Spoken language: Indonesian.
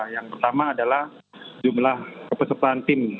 yang pertama adalah jumlah kepesertaan tim